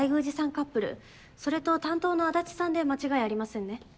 カップルそれと担当の足立さんで間違いありませんね。